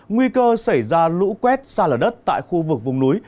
nguy cơ xảy ra lũ quét xa lở đất tại khu vực vùng núi